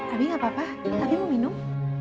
abi gapapa tadi mau minum